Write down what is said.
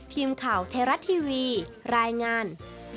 ทีมข่าวเทราะห์ทีวีรายงาน